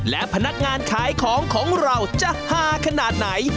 และพนักงานขายของของเราจะฮาขนาดไหน